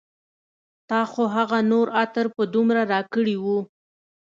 تا خو هغه نور عطر په دومره راکړي و